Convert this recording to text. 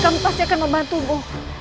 kami pasti akan membantumu